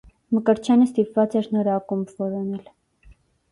Մկրտչյանը ստիպված էր նոր ակումբ որոնել։